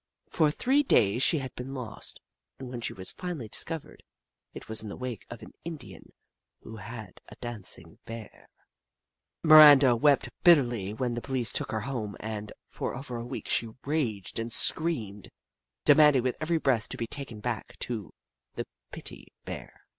For three days she had been lost, and when she was finally discovered, it was in the wake of an Italian who had a dancing Bear. Miranda wept Snoof 67 bitterly when the poHce took her home, and for over a week she raged and screamed, de manding with every breath to be taken back to the " pitty Bear."